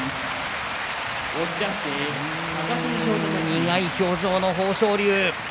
苦い表情の豊昇龍。